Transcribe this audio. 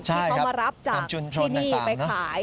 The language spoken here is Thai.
ที่เขามารับจากที่นี่ไปขายตามชุนชนต่าง